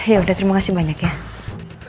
yaudah terima kasih banyak ya